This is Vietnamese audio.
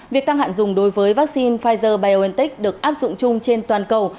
việc tăng hạn dùng đối với vaccine pfizer biontech được áp dụng chung trên toàn cầu